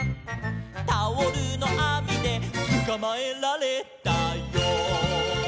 「タオルのあみでつかまえられたよ」